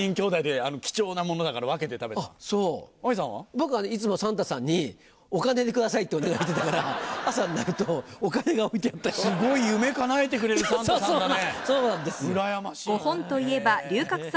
僕はねいつもサンタさんに「お金でください」ってお願いしてたから朝になるとお金が置いてあったよ。すごい夢かなえてくれるサンタさんだね！